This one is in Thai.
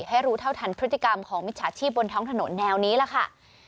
ให้รู้เท่าทันพฤติกรรมของมิจฉาชีพบนท้องถนนแนวนี้ล่ะค่ะ